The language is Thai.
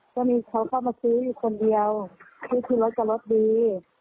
ก็มีเขาเข้ามาซื้ออยู่คนเดียวให้ขึ้นรถกับรถดี